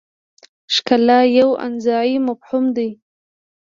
ښکلا یو انتزاعي مفهوم دی.